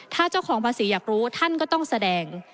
ถ้าเจ้าของภาษีอยากรู้ท่านก็ต้องแสดง